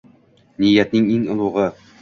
Niyatning eng ulug’i.